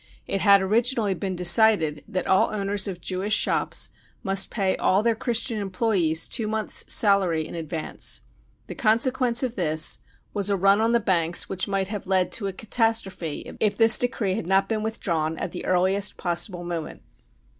It had originally been decided that all owners of Jewish shops must pay all their Christian employees two months' salary in advance. The consequence of this was a run on the banks which might have led to a catastrophe if this decree had not been with drawn at the earliest possible moment.